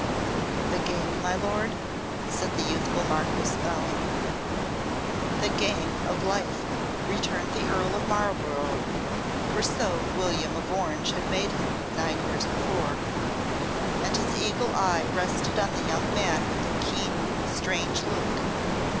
"The game, my lord?" said the youthful Marquess, bowing. "The game of life," returned the Earl of Marlborough (for so William of Orange had made him nine years before), and his eagle eye rested on the young man with a keen, strange look.